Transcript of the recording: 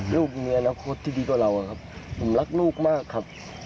ลูกมีอนาคตที่ดีกว่าเราอะครับผมรักลูกมากครับ